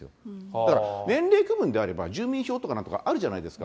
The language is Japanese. だから年齢区分であれば、住民票とかなんとかあるじゃないですか。